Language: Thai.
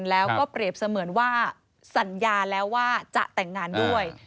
แล้วก็เปรียบเสมือนว่าสัญญาแล้วว่าจะแต่งงานด้วย